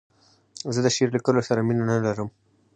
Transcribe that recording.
زه د شعر لیکلو سره مینه نه لرم.